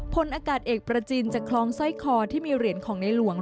พลอากาศเอกประจินจะคล้องสร้อยคอที่มีเหรียญของในหลวง